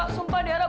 sumpah deh ra